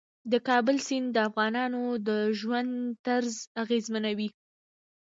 د کابل سیند د افغانانو د ژوند طرز اغېزمنوي.